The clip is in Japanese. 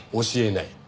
教えない。